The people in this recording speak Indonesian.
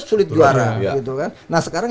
sulit juara nah sekarang